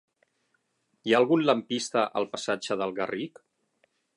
Hi ha algun lampista al passatge del Garric?